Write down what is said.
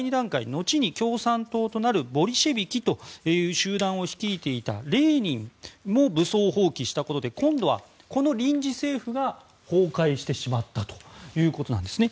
のちに共産党となるボリシェビキという集団を率いていたレーニンも武装蜂起したことで今度は、この臨時政府が崩壊してしまったということなんですね。